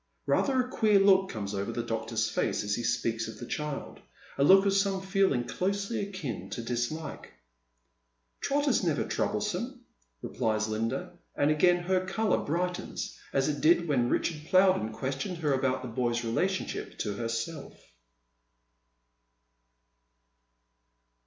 Eather a queer look comes over the doctor's face as he speaks of the child — a look of some feeling closely akin to disHke. " Trot is never troublesome," replies Linda, and again her colour brightens as it did when Ricliard Plowden questioned her about the boy's relationship to herself.